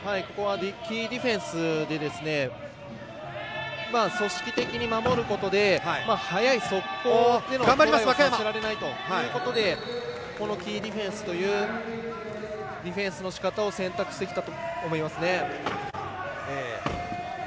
キーディフェンスで組織的に守ることで早い速攻というのをされないということでキーディフェンスというディフェンスのしかたを選択してきたと思いますね。